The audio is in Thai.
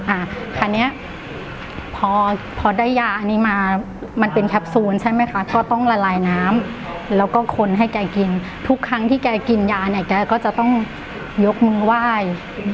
อ่าคราวนี้พอพอได้ยาอันนี้มามันเป็นแคปซูลใช่ไหมคะก็ต้องละลายน้ำแล้วก็คนให้แกกินทุกครั้งที่แกกินยาเนี่ยแกก็จะต้องยกมือไหว้